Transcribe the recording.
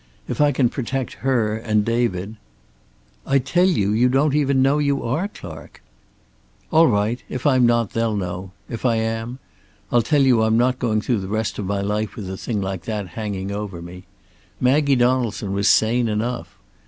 If I can protect her, and David " "I tell you, you don't even know you are Clark." "All right. If I'm not, they'll know. If I am I tell you I'm not going through the rest of my life with a thing like that hanging over me. Maggie Donaldson was sane enough.